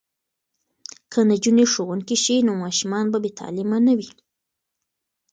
که نجونې ښوونکې شي نو ماشومان به بې تعلیمه نه وي.